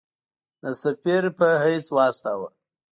د سفیر په حیث واستاوه.